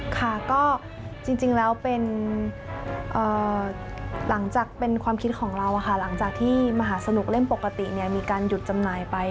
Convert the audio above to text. ค่ะก็จริงแล้วเป็นหลังจากเป็นความคิดของเราหลังจากที่มหาสนุกเล่มปกติมีการหยุดจำหน่ายไป